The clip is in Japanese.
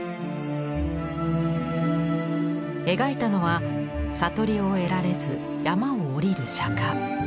描いたのは悟りを得られず山を下りる釈。